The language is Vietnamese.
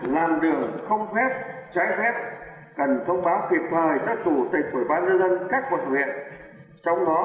làm đường không phép sai phép cần thông báo kịp thời các tù tịch của ban nhân dân các vật huyện